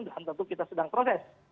dan tentu kita sedang proses